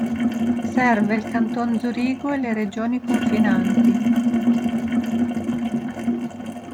Serve il canton Zurigo e le regioni confinanti.